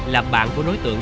là bạn của đối tượng